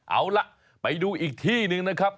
เอาล่ะไปดูอีกที่หนึ่งนะครับ